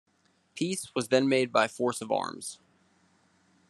Peace was then made by force of arms.